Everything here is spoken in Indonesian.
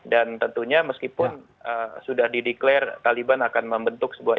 dan tentunya meskipun sudah dideklarir taliban akan membentuk sebuah